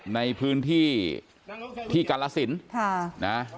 ในพื้นที่กรรละสิน